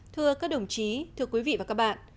thưa các đồng chí thưa quý vị và các bạn